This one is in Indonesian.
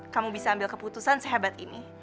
kamu bisa ambil keputusan sehebat ini